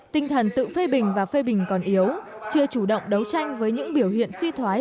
tinh thần tự phê bình và phê bình còn yếu chưa chủ động đấu tranh với những biểu hiện suy thoái